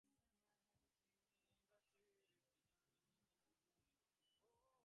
সকলেই ভালোবাসে এই লজ্জাবতী ননির পুতুলটিকে।